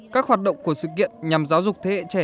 các hoạt động của sự kiện nhằm giáo dục thế hệ trẻ